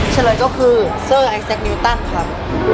เฉลยก็คือเซอร์ไอเซคนิวตันครับ